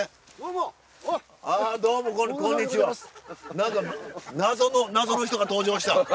何か謎の謎の人が登場した。